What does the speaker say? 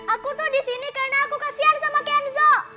aku tuh disini karena aku kasihan sama kenzo